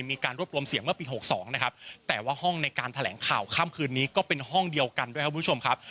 มีการรวบรวมเสียงเมื่อปี๖๒นะครับแต่ว่าห้องในการแถลงข่าวค่ำคืนนี้ก็เป็นห้องเดียวกันด้วยครับคุณผู้ชมครับ